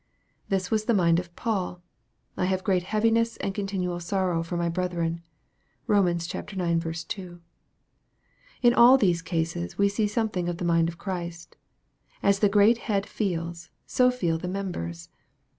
This was the mind of Paul :" I have great heaviness and continual sorrow for my brethren." (Bom. ix. 2.) In all these cases we see something of the mind of Christ. As the great Head feels, so feel the members.